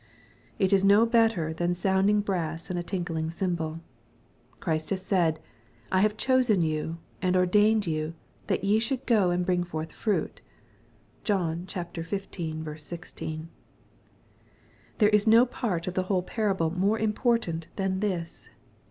It is no better than sounding brass and a tinkling cymbal. Christ has said, " I have chosen you, and ordained you, that ye Bhould go and bring forth fruifc." (John xv. 16.) There is no part of the whole parable more important than this.